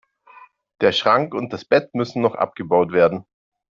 Der Schrank und das Bett müssen noch abgebaut werden.